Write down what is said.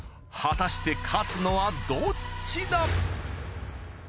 果たして勝つのはどっちだ？